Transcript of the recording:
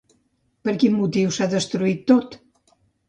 Per quin motiu s'ha destruït tot?